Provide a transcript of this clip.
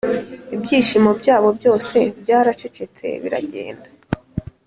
ibyishimo byabo byose byaracecetse biragenda;